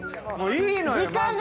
もういいのよ。